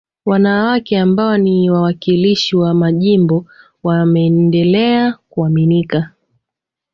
Wanawake ambao ni wawakilishi wa majimbo wameendelea kuaminika